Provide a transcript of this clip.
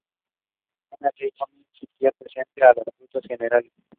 Una de ellas es la "no existencia presente de las futuras generaciones".